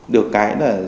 được cái là